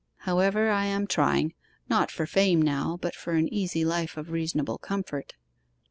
However, I am trying not for fame now, but for an easy life of reasonable comfort.